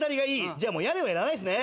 じゃもう屋根はいらないっすね。